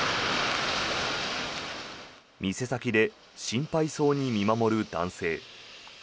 店先で心配そうに見守る男性。